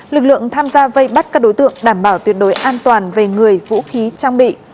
lực lượng tham gia vây bắt các đối tượng đảm bảo tuyệt đối an toàn về người vũ khí trang bị